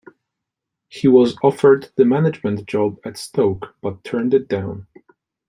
He was offered the management job at Stoke but turned it down.